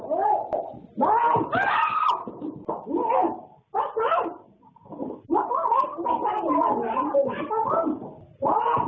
แจ้งตำรวจตบหัวลูกเธอจะล้มกลิ้งบ้าง